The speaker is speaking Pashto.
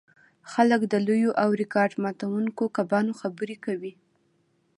خلک د لویو او ریکارډ ماتوونکو کبانو خبرې کوي